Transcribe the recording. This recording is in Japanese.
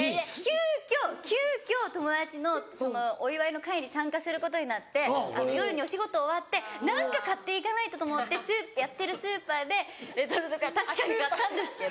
急きょ急きょ友達のお祝いの会に参加することになって夜にお仕事終わって何か買っていかないとと思ってやってるスーパーでレトルトカレー確かに買ったんですけど。